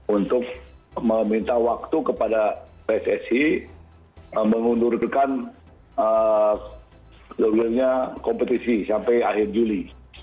untuk meminta waktu kepada pssi mengundurkan kompetisi sampai akhir juli